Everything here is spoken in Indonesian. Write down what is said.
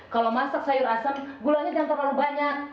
kalau masak sayur asam gulanya jangan terlalu banyak